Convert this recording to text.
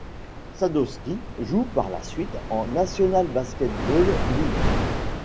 Sadowski joue par la suite en National Basketball League.